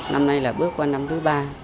năm nay là bước qua năm thứ ba